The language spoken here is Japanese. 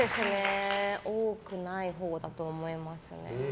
多くないほうだと思いますね。